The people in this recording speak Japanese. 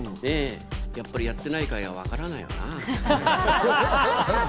やっぱりやってない回はわからないな。